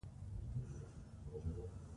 جلګه د افغانستان د تکنالوژۍ پرمختګ سره تړاو لري.